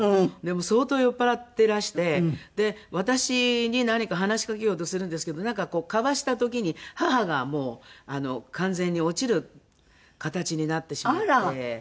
相当酔っ払ってらして私に何か話しかけようとするんですけどなんかこうかわした時に母がもう完全に落ちる形になってしまって。